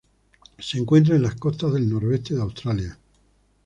Se encuentra en las costas del noroeste de Australia